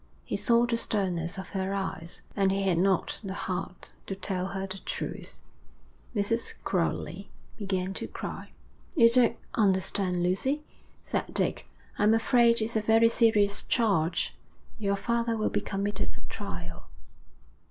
He saw the sternness of her eyes, and he had not the heart to tell her the truth. Mrs. Crowley began to cry. 'You don't understand, Lucy,' said Dick. 'I'm afraid it's a very serious charge. Your father will be committed for trial.'